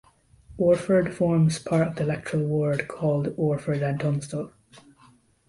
Orford forms part of the electoral ward called Orford and Tunstall.